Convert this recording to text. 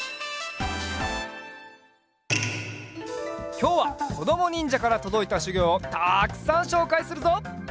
きょうはこどもにんじゃからとどいたしゅぎょうをたくさんしょうかいするぞ！